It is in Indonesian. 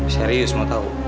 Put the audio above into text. serius mau tau